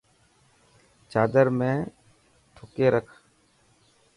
چادر ۾ ڌڪي رک.